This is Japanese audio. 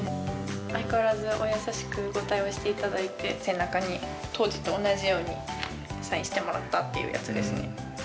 相変わらずお優しくご対応してくださって、背中に当時と同じようにサインしてもらったっていうやつですね。